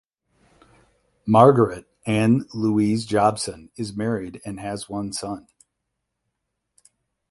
Margaret Ann Louise Jobson is married and has one son.